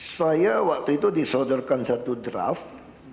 saya waktu itu disodorkan satu draft